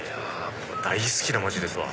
大好きな街ですわ。